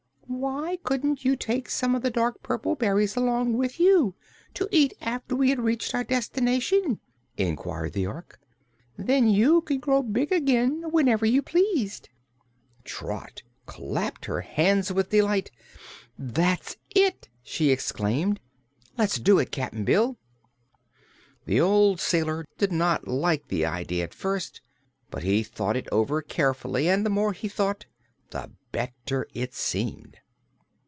"Why couldn't you take some of the dark purple berries along with you, to eat after we had reached our destination?" inquired the Ork. "Then you could grow big again whenever you pleased." Trot clapped her hands with delight. "That's it!" she exclaimed. "Let's do it, Cap'n Bill." The old sailor did not like the idea at first, but he thought it over carefully and the more he thought the better it seemed.